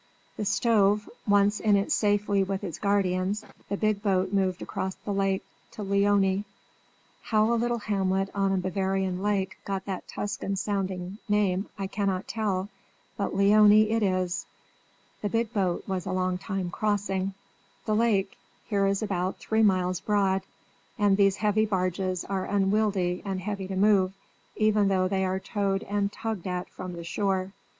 The stove, once in it safely with its guardians, the big boat moved across the lake to Leoni. How a little hamlet on a Bavarian lake got that Tuscan sounding name I cannot tell; but Leoni it is. The big boat was a long time crossing; the lake here is about three miles broad, and these heavy barges are unwieldy and heavy to move, even though they are towed and tugged at from the shore.